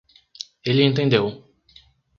Ele entendeu